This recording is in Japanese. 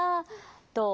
どう？